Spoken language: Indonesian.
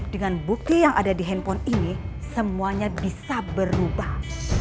dengan bukti yang ada di handphone ini semuanya bisa berubah